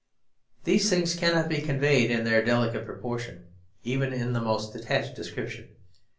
These things cannot be conveyed in their delicate proportion even in the most detached description.